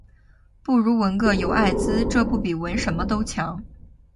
不如纹个“有艾滋”这不比纹什么都强